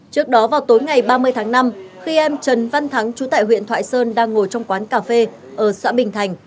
trước đó vào tối ngày ba mươi tháng năm khi em trần văn thắng chú tại huyện thoại sơn đang ngồi trong quán cà phê ở xã bình thành